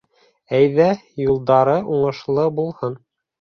Әйҙә, юлдары уңышлы булһын!